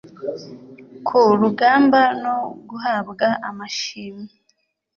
ku rugamba no guhabwa amashimwe